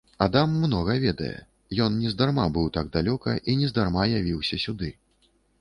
Адам многа ведае, ён нездарма быў так далёка і нездарма явіўся сюды.